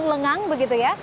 lalu lengang begitu ya